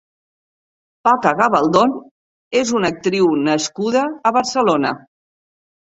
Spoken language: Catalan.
Paca Gabaldón és una actriu nascuda a Barcelona.